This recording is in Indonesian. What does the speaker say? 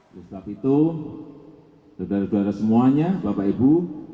oleh sebab itu saudara saudara semuanya bapak ibu